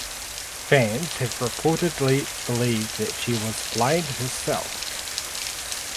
Fans have reportedly believed that she was blind herself.